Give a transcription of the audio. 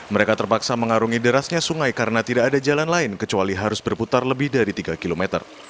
mereka terpaksa mengarungi derasnya sungai karena tidak ada jalan lain kecuali harus berputar lebih dari tiga km